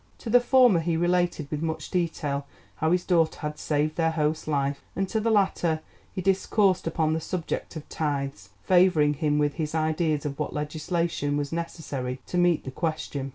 To the former he related with much detail how his daughter had saved their host's life, and to the latter he discoursed upon the subject of tithes, favouring him with his ideas of what legislation was necessary to meet the question.